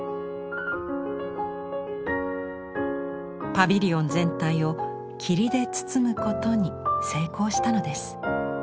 パビリオン全体を霧で包むことに成功したのです。